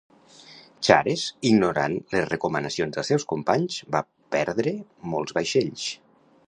Chares, ignorant les recomanacions dels seus companys, va perdre molts vaixells.